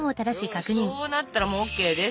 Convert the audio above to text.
そうなったらもうＯＫです。